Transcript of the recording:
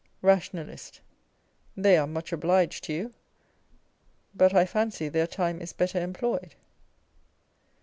Rationalist. They are much obliged to you, but I fancy their time is better employed.